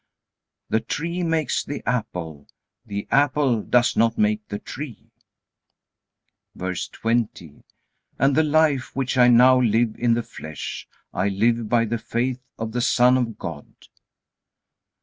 The tree makes the apple; the apple does not make the tree. VERSE 20. And the life which I now live in the flesh I live by the faith of the Son of God.